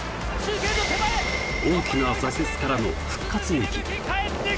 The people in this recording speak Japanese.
大きな挫折からの復活劇。